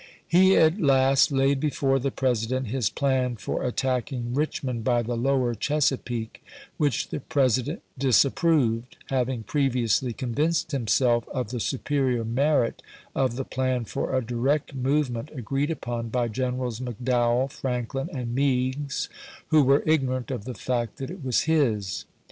He at last laid before the President his plan for at tacking Richmond by the lower Chesapeake, which the President disapproved, having previously con vinced himself of the superior merit of the plan for a direct movement agreed upon by Generals Mc Dowell, Franklin, and Meigs, who were ignorant of the fact that it was his.